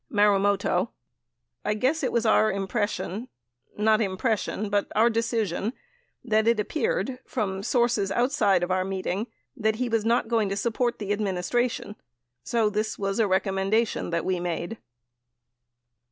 Marumoto. I guess it was our impression — not impression, but our decision, that it appeared, from sources outside of our meeting, that he was not going to support the administration so this was a recommendation that we made.